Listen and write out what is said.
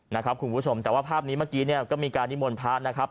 นะครับคุณผู้ชมแต่ว่าภาพนี้เมื่อกี้เนี่ยก็มีการนิมนต์พระนะครับ